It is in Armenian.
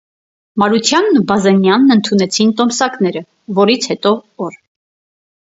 Մարությանն ու Բազենյանն ընդունեցին տոմսակները, որից հետո օր.